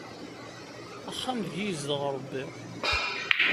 Axxam deg i yezdeɣ Ṛebbi.